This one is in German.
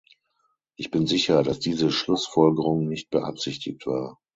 Ich bin sicher, dass diese Schlussfolgerung nicht beabsichtigt war.